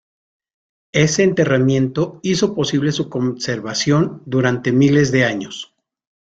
Ese enterramiento hizo posible su conservación durante miles de años.